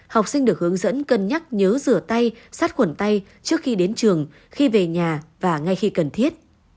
học sinh được hướng dẫn cân nhắc nhớ rửa tay sát khuẩn tay trước khi đến trường khi về nhà và ngay khi cần thiết